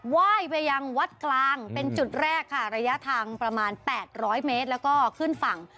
ว่ายไปยังวัดกลางเป็นจุดแรกค่ะระยะทางประมาณ๘๐๐เมตรแล้วก็ขึ้นฝั่ง